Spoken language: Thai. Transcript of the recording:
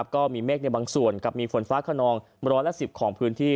ก็มีเมฆในบางส่วนกับมีฝนฟ้าขนองร้อยละ๑๐ของพื้นที่